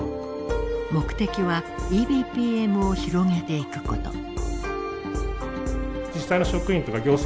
目的はＥＢＰＭを広げていくこと。